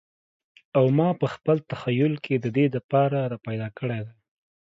او ماپه خپل تخیل کی ددې د پاره را پیدا کړی دی